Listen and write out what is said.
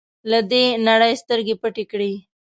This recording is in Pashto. له دې نړۍ سترګې پټې کړې.